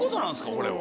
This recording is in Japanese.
これは。